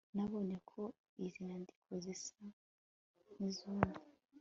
nabonye ko izi nyandiko zisa nkizumye